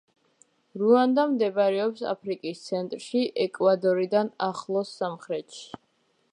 რუანდა მდებარეობს აფრიკის ცენტრში, ეკვატორიდან ახლოს სამხრეთში.